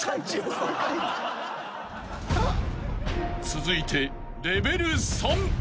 ［続いてレベル３］